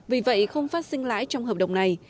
vì vậy không phát sinh lãi trong hợp đồng này